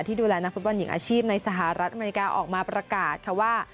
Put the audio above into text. ดูแลนักฟุตบอลหญิงอาชีพในสหรัฐอเมริกาออกมาประกาศค่ะว่า